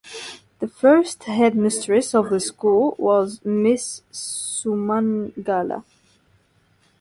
The first head mistress of the school was Ms. Sumangala.